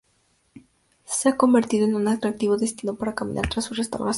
Se ha convertido en un atractivo destino para caminar, tras su restauración.